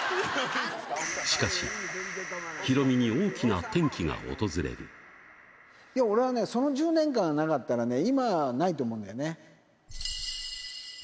しかし、ヒロミに大きな転機いや、俺はね、その１０年間がなかったらね、今はないと思うんだよね。